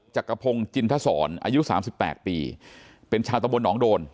จักรพงศ์จินทศรอายุ๓๘ปีเป็นชาวตะบนหนองโดน